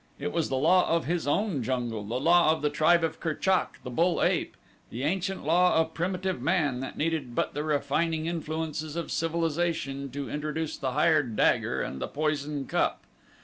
It was the law of his own jungle the law of the tribe of Kerchak, the bull ape the ancient law of primitive man that needed but the refining influences of civilization to introduce the hired dagger and the poison cup.